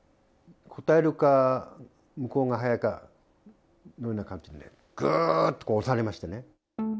答えるか向こうが早いか、どんな形か、ぐーっと、こう、押されましてね。